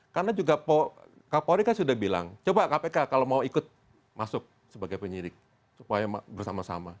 karena juga kapolri kan sudah bilang coba kpk kalau mau ikut masuk sebagai penyidik supaya bersama sama